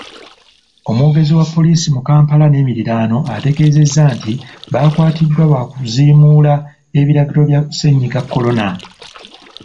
Omwogezi wa poliisi mu Kampala n'emiriraano, ategeezezza nti baakwatiddwa lwakuziimuula ebiragiro bya Ssennyiga Corona.